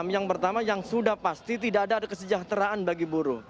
yang pertama yang sudah pasti tidak ada kesejahteraan bagi buruh